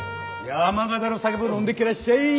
山形の酒も飲んでけらっしゃい！